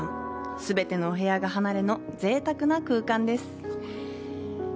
全てのお部屋が離れのぜいたくな空間です。